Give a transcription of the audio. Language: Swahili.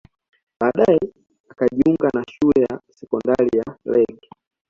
Baadae akajiunga na shule ya sekondari ya Lake